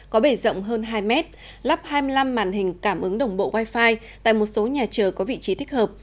có bể rộng hơn hai mét lắp hai mươi năm màn hình cảm ứng đồng bộ wifi tại một số nhà chờ có vị trí thích hợp